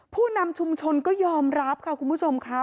ผู้นำชุมชนก็ยอมรับค่ะคุณผู้ชมค่ะ